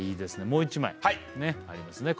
もう１枚ありますね